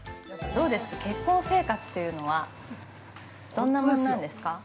どうです、結婚生活というのはどんなもんなんですか。